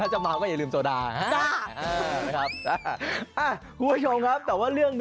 อ่าเหมือนปวดเลยครับเมื่อกี๊